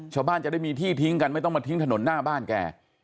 ชาวบ้านจะได้มีที่ทิ้งกันไม่ต้องมาทิ้งถนนหน้าบ้านแก